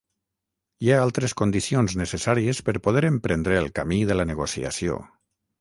Hi ha altres condicions necessàries per poder emprendre el camí de la negociació.